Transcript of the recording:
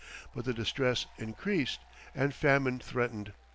But the distress increased, and famine threatened.